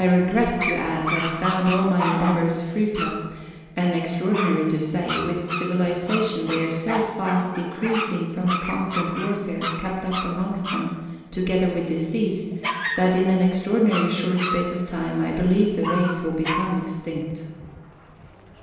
1 regret to add I found all my endeavours fruitless, and, extra ordinary to say, with civilization they are so fast decreasing from a constant warfare kept np amongst them, together with disease, that in an extraordinary short space of time I believe the race will become extinct.